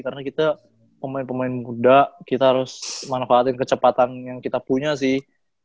karena kita pemain pemain muda kita harus manfaatin kecepatan yang kita punya sih